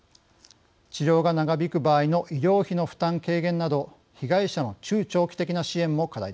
治療が長引く場合の医療費の負担軽減など被害者の中長期的な支援も課題です。